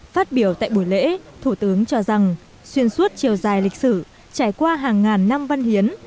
phát biểu tại buổi lễ thủ tướng cho rằng xuyên suốt chiều dài lịch sử trải qua hàng ngàn năm văn hiến